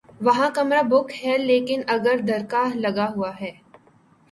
وہاں کمرہ بک ہے لیکن اگر دھڑکا لگا ہوا ہے۔